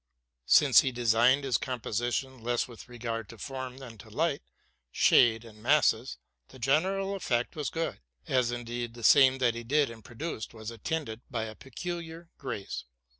Since he designed his composition less with regard to form than to light, shade, and masses, the general effect was 258 TRUTH AND FICTION good; as indeed all that he did and produced was attended by a peculiar grace.